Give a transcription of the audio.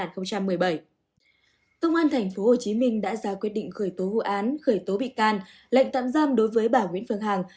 cơ quan cảnh sát điều tra công an tp hcm đã ra quyết định khởi tố hữu án khởi tố bị can lệnh tạm giam đối với bà nguyễn phương hằng